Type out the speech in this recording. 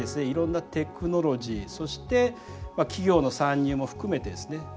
いろんなテクノロジーそして企業の参入も含めてですね